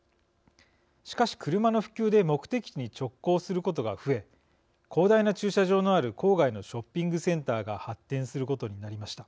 しかし車の普及で目的地に直行することが増え広大な駐車場のある郊外のショッピングセンターが発展することになりました。